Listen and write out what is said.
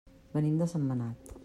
Venim de Sentmenat.